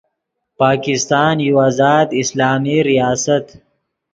پاکستان یو آزاد اسلامی ریاست